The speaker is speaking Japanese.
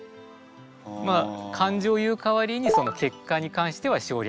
まあ感情を言う代わりに結果に関しては省略している。